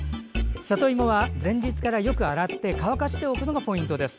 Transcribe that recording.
里芋は前日からよく洗って乾かしておくのがポイントです。